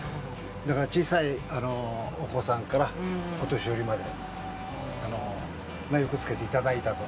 小さいお子さんからお年寄りまで着けていただいたと。